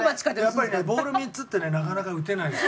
やっぱりねボール３つってねなかなか打てないです。